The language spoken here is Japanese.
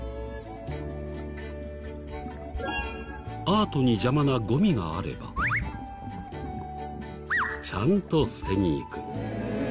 アートに邪魔なゴミがあればちゃんと捨てに行く。